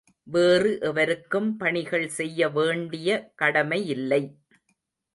வேறு எவருக்கும் பணிகள் செய்ய வேண்டிய கடமையில்லை.